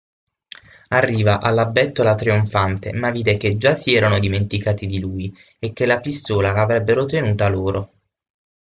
Arriva alla bettola trionfante ma vide che già si erano dimenticati di lui e che la pistola l'avrebbero tenuta loro.